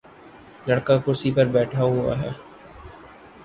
لڑکا کرسی پہ بیٹھا ہوا ہے۔